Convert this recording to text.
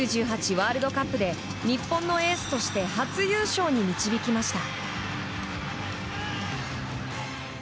ワールドカップで日本のエースとして初優勝に導きました。